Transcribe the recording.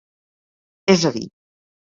És a dir: